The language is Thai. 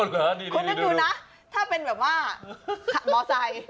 ดูนะถ้าเป็นแบบว่าขับบอร์ไซด์